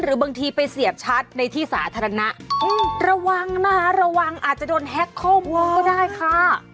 อื้อระวังนะคะระวังอาจจะโดนแฮ็กข้อมูลก็ได้ค่ะ